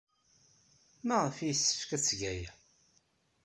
Maɣef ay yessefk ad teg aya?